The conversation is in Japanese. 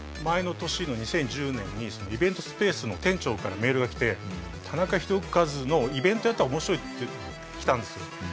前の年の２０１０年にイベントスペースの店長からメールがきて「田中宏和のイベントやったら面白い」ってきたんですよ。